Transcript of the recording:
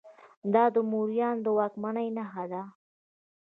دا د موریانو د واکمنۍ نښه ده